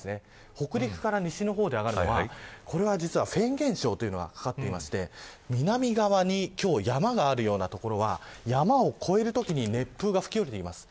北陸から西側のほうで上がるのはフェーン現象というのがかかって南側に山があるような所は山を越えるときに熱風が吹き降りてきます。